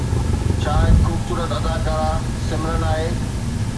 ڇا هڪ خوبصورت اداڪاره سمرن آهي